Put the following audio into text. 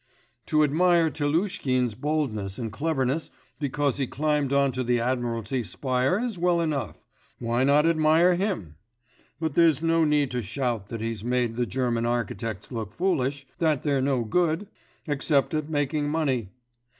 To admire Telushkin's boldness and cleverness because he climbed on to the Admiralty spire is well enough; why not admire him? But there's no need to shout that he's made the German architects look foolish, that they're no good, except at making money....